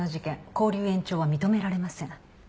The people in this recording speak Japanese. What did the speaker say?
勾留延長は認められません。